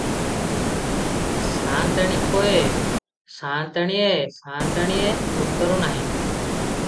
ସାଆନ୍ତାଣିକଏଁ - ସାଆନ୍ତାଣିଏଁ - ସାଆନ୍ତାଣିଏଁ - ଉତ୍ତର ନାହିଁ ।